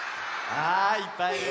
あいっぱいいる！